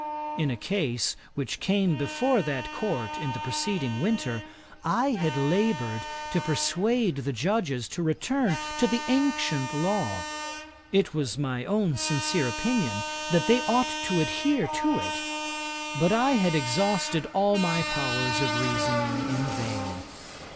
In a case which came before that Court the preceding winter, I had laboured to persuade the Judges to return to the ancient law. It was my own sincere opinion, that they ought to adhere to it; but I had exhausted all my powers of reasoning in vain.